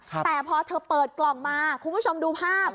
แต่พอเธอเปิดกล่องมาคุณผู้ชมดูภาพ